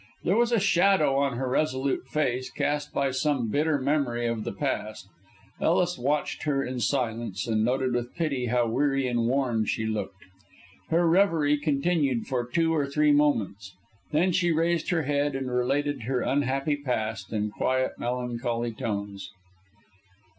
There was a shadow on her resolute face cast by some bitter memory of the past. Ellis watched her in silence, and noted with pity how weary and worn she looked. Her reverie continued for two or three moments. Then she raised her head and related her unhappy past in quiet, melancholy tones.